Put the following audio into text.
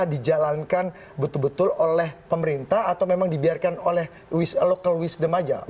dijalankan betul betul oleh pemerintah atau memang dibiarkan oleh local wisdom aja